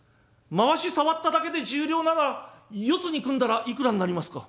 まわし触っただけで１０両なら四つに組んだらいくらになりますか？」。